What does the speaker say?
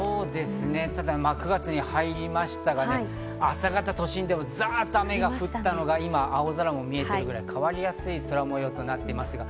ただ、まぁ９月に入りましたが、朝方都心でもざっと雨が降ったのが今、青空も見えているくらい変わりやすい空模様となっています。